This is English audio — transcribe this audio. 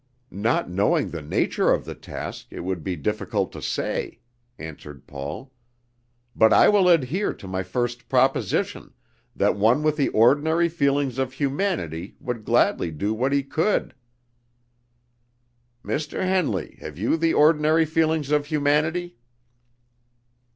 "Not knowing the nature of the task, it would be difficult to say," answered Paul, "but I will adhere to my first proposition, that one with the ordinary feelings of humanity would gladly do what he could." "Mr. Henley, have you the ordinary feelings of humanity?"